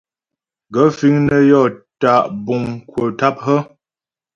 Gaə̂ fíŋ nə́ yɔ́ tá' buŋ kwə̀ tâp hə́ ?